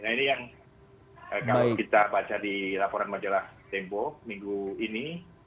nah ini yang kalau kita baca di laporan majalah tempo minggu ini